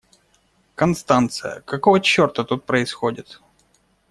Констанция, какого черта тут происходит?